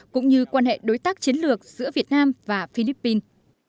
cũng như quan hệ đối tác chiến lược giữa việt nam và philippines